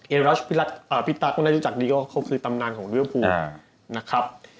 เอ็นรัชพิตรักก็ได้รู้จักดีกว่าเขาคือตำนานของเรื้อภูมิ